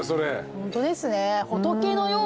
ホントですね。